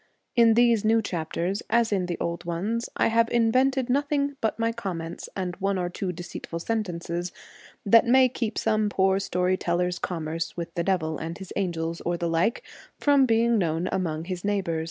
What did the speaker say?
In these new chapters, as in the old ones, I have invented nothing but my comments and one or two deceitful sentences that may keep some poor story teller's commerce with the devil and his angels, or the like, from being known among his neighbours.